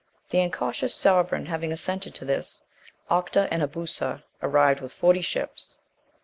"(1) The incautious sovereign having assented to this, Octa and Ebusa arrived with forty ships.